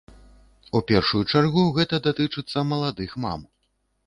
У першую чаргу, гэта датычыцца маладых мам.